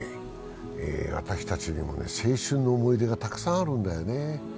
神宮というとね、私たちにも青春の思い出がたくさんあるんだよね。